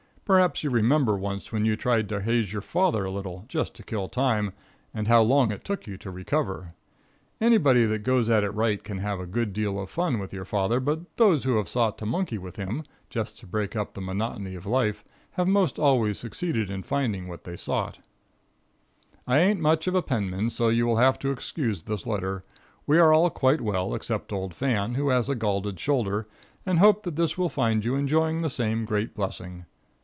Perhaps you remember once when you tried to haze your father a little, just to kill time, and how long it took you to recover. Anybody that goes at it right can have a good deal of fun with your father, but those who have sought to monkey with him, just to break up the monotony of life, have most always succeeded in finding what they sought. [Illustration: RETRIBUTIVE JUSTICE.] I ain't much of a pensman, so you will have to excuse this letter. We are all quite well, except old Fan, who has a galded shoulder, and hope this will find you enjoying the same great blessing.